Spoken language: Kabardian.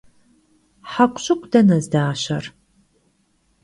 Hekhuşıkhu dene zdaşer?